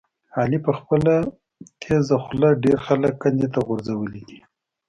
علي په خپله تېزه خوله ډېر خلک کندې ته غورځولي دي.